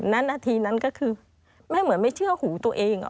นาทีนั้นก็คือไม่เหมือนไม่เชื่อหูตัวเอง